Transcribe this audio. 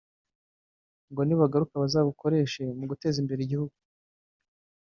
ngo nibagaruka bazabukoreshe mu guteza imbere igihugu